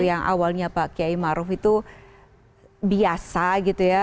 yang awalnya pak kiai maruf itu biasa gitu ya